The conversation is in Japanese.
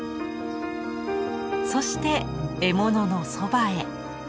そして獲物のそばへ。